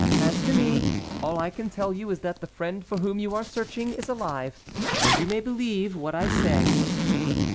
As to me, all I can tell you is that the friend for whom you are searching is alive, and you may believe what I say."